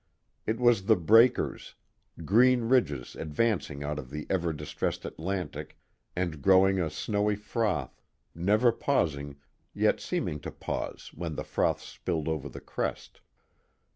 It was the breakers, green ridges advancing out of the ever distressed Atlantic and growing a snowy froth, never pausing yet seeming to pause when the froth spilled over the crest.